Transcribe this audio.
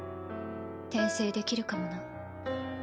転生できるかもな。